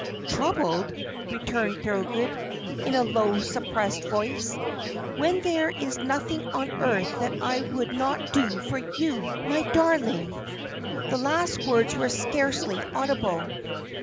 "Troubled?" returned Thorold, in a low, suppressed voice, "when there is nothing on earth that I would not do for you, my darling!" The last words were scarcely audible.